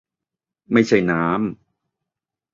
ไม่ใช้น้ำ